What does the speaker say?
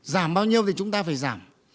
giảm bao nhiêu thì chúng ta phải giảm